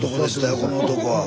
この男は。